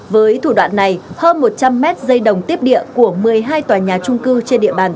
với thủ đoạn này hơn một trăm linh mét dây đồng tiếp địa của một mươi hai tòa nhà trung cư trên địa bàn